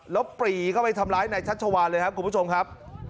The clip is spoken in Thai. แล้วปรีเข้าไปทำร้ายนายชัชวานเลยครับคุณผู้ชมครับ